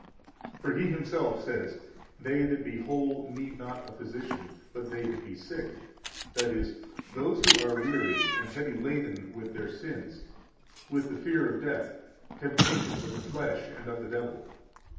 For He Himself says: They that be whole, need not a physician, but they that be sick; that is, those who are weary and heavy laden with their sins, with the fear of death, temptations of the flesh and of the devil.